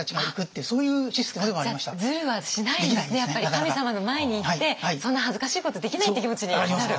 神様の前に行ってそんな恥ずかしいことできない！って気持ちになる。